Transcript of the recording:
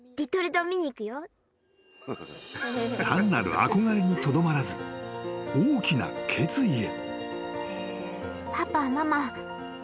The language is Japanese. ［単なる憧れにとどまらず大きな決意へ］